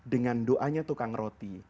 dengan doanya tukang roti